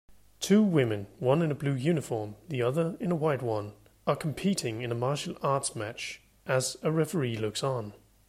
Two women one in a blue uniform the other in a white one are competing in a martial arts match as a referee looks on